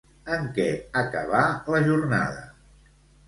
En què acabà la jornada?